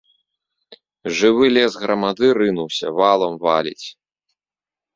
Жывы лес грамады рынуўся, валам валіць.